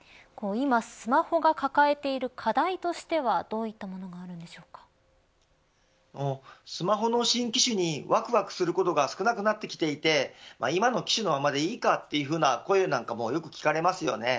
今、スマホが抱えている課題としてはどういったものがスマホの新機種にわくわくすることが少なくなってきて今の機種のままでいいかという声もよく聞かれますよね。